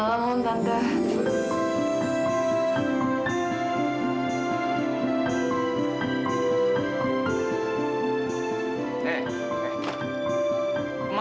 kamu tak bisa